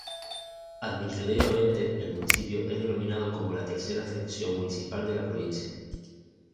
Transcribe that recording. Administrativamente, el municipio es denominando como la "tercera sección municipal" de la provincia.